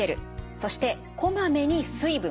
そしてこまめに水分。